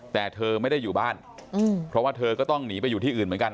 แต่เธอไม่ได้อยู่บ้านเพราะว่าเธอก็ต้องหนีไปอยู่ที่อื่นเหมือนกัน